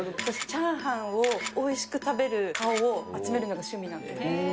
チャーハンをおいしく食べる顔を集めるのが趣味なんです。